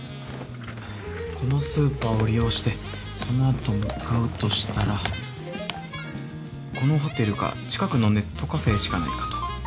このスーパーを利用してその後向かうとしたらこのホテルか近くのネットカフェしかないかと。